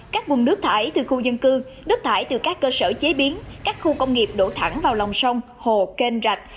các vùng nước thải từ khu dân cư đất thải từ các cơ sở chế biến các khu công nghiệp đổ thẳng vào lòng sông hồ kênh rạch